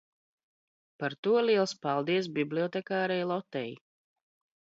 par to liels paldies bibliotekārei Lotei